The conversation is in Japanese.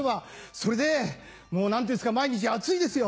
それでもう何ていうんですか毎日暑いですよ。